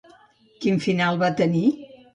Quin final va tenir?